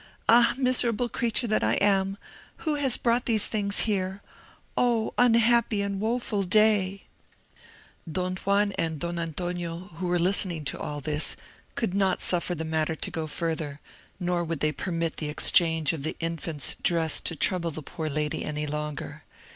Ah, miserable creature that I am! who has brought these things here? Oh, unhappy and woeful day!" Don Juan and Don Antonio, who were listening to all this, could not suffer the matter to go further, nor would they permit the exchange of the infant's dress to trouble the poor lady any longer.